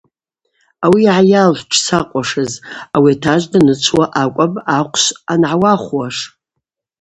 Ауи йгӏайалхӏвтӏ дшсакъхушыз: ауи атажв данычвуа акӏвпӏ ахъвшв ангӏауахвуаш.